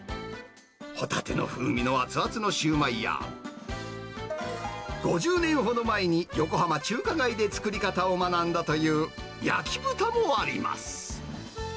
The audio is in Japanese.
ホタテの風味の熱々のシューマイや、５０年ほど前に横浜・中華街で作り方を学んだという焼き豚もあります。